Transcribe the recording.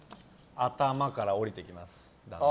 頭から下りていきます。